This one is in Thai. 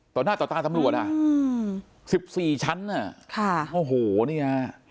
ต่อหน้าต่อตาตำรวจอ่ะอืมสิบสี่ชั้นอ่ะค่ะโอ้โหเนี่ย